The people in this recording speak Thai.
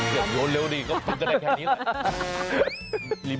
อย่าโยนเร็วดีก็ได้แค่นี้